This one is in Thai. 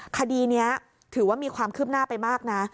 คดีนี้ถือว่ามีความคืบหน้าไปมากนะ